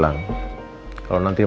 kalau aku tidur